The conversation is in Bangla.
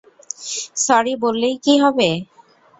স্যরি বললেই কি হবে?